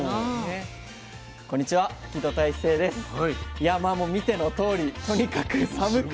いやまあもう見てのとおりとにかく寒くて。